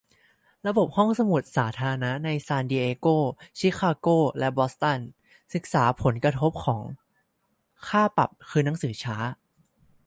ระบบห้องสมุดสาธารณะในซานดิเอโก ชิคาโก และบอสตัน ศึกษาผลกระทบของค่าปรับคืนหนังสือช้า